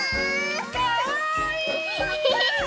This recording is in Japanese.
かわいい！